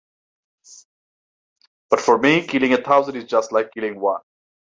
But for me killing a thousand is just like killing one.